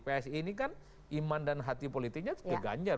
psi ini kan iman dan hati politiknya geganjar